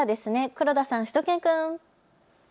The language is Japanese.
黒田さん、しゅと犬くん。